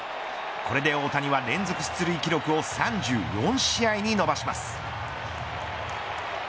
これで大谷は連続出塁記録を３４試合に伸ばします。